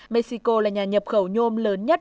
mexico là nhà nhập khẩu nhôm lớn nhất